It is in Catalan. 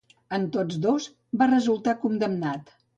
En tots dos va resultar condemnat a mort.